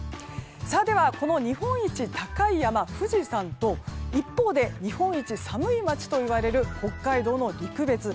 では、この日本一高い山富士山と一方で、日本一寒い町といわれる北海道の陸別。